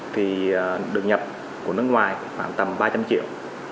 thì đường nhập của nước ngoài khoảng tầm ba trăm linh triệu